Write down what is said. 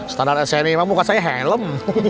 standar sni emang muka saya helm